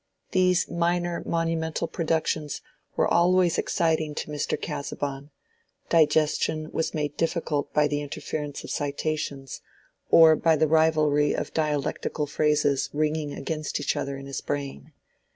These minor monumental productions were always exciting to Mr. Casaubon; digestion was made difficult by the interference of citations, or by the rivalry of dialectical phrases ringing against each other in his brain.